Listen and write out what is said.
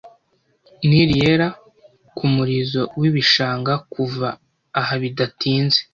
Nili Yera kumurizo wibishanga Kuva aha bidatinze